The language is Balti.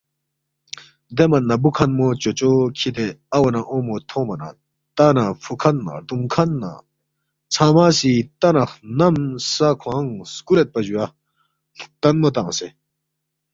دے من نہ ہُوکھنمو چوچو کِھدے اوا نہ اونگمو تھونگما نہ تا نہ فُوکھن نہ رُدونگ کھن نہ ژھنگمہ سی تا نہ خنم سا کھوانگ سکُولیدپا جُویا، ہلتنمو تنگسے